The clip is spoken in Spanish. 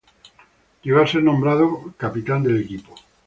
Llegó a ser nombrado como capitán del equipo.